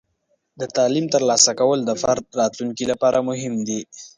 د تعلیم ترلاسه کول د فرد د راتلونکي لپاره مهم دی.